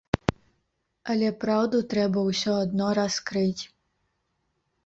Але праўду трэба ўсё адно раскрыць.